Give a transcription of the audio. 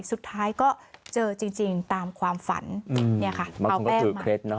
สุดท้ายก็เจอจริงจริงตามความฝันอืมเนี้ยค่ะเอาแป้งมาบางคนก็คือเคล็ดนะ